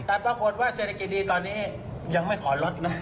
แต่ปรากฏว่าเศรษฐกิจดีตอนนี้ยังไม่ขอลดนะ